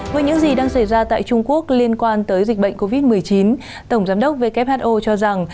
với những gì đang xảy ra tại trung quốc liên quan tới dịch bệnh covid một mươi chín tổng giám đốc who cho rằng